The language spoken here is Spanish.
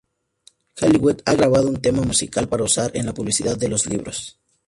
Halliwell ha grabado un tema musical para usar en la publicidad de los libros.